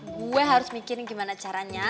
gue harus mikirin gimana caranya